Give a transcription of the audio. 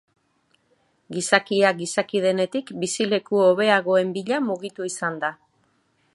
Gizakia gizaki denetik bizileku hobeagoen bila mugitu izan da.